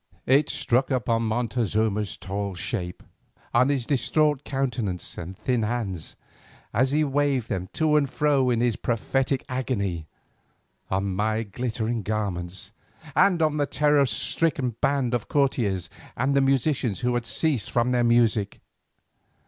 It struck upon Montezuma's tall shape, on his distraught countenance and thin hands as he waved them to and fro in his prophetic agony, on my glittering garments, and the terror stricken band of courtiers, and the musicians who had ceased from their music.